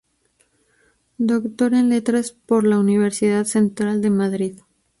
Doctor en Letras por la Universidad Central de Madrid.